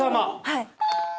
はい。